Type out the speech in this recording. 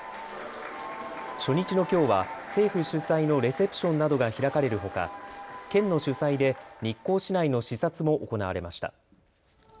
初日のきょうは政府主催のレセプションなどが開かれるほか県の主催で日光市内の視察も行われました。